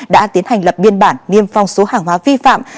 đã tiến hành lập biên bản niêm phong số hàng hóa vi phạm